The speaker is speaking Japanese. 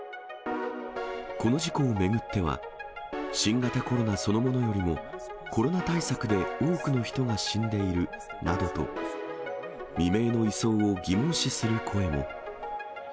この事故を巡っては、新型コロナそのものよりも、コロナ対策で多くの人が死んでいるなどと、未明の移送を疑問視する声も。